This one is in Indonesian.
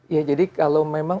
iya jadi kalau memang